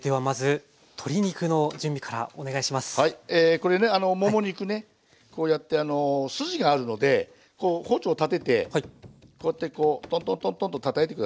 これねもも肉ねこうやって筋があるのでこう包丁立ててこうやってこうトントントントンとたたいて下さい。